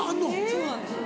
そうなんですよ。